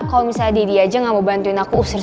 kalo misalnya deddy aja nggak mau bantuin aku urus